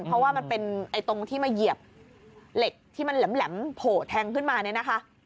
เพราะว่ามันเป็นตรงที่มาเหยียบเหล็กที่มันแหลมโผล่แทงขึ้นมาเนี่ยนะคะ